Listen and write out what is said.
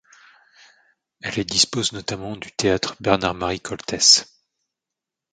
Elle y dispose notamment du théâtre Bernard-Marie Koltès.